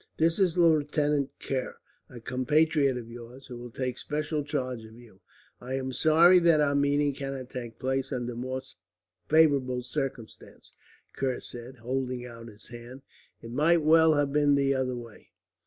This is Lieutenant Kerr, a compatriot of yours, who will take special charge of you." "I am sorry that our meeting cannot take place under more favourable circumstances," Kerr said, holding out his hand. "It might well have been the other way.